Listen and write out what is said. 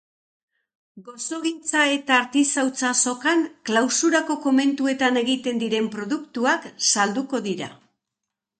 Gozogintza eta artisautza azokan klausurako komentuetan egiten diren produktuak salduko dira.